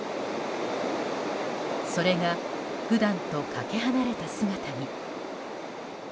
それが、普段とかけ離れた姿に。